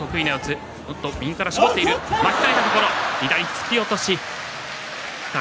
突き落とし宝